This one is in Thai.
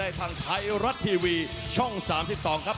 ทางไทยรัฐทีวีช่อง๓๒ครับ